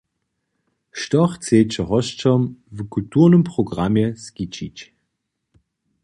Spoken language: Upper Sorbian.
Što chceće hosćom w kulturnym programje skićić?